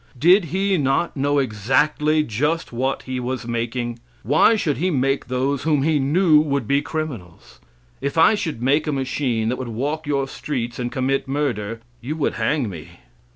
Did He not know exactly just what He was making? Why should He make those whom He knew would be criminals? If I should make a machine that would walk your streets and commit murder, you would hang me.